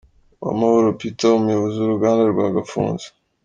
Uwamahoro Peter, Umuyobozi w’Uruganda rwa Gafunzo.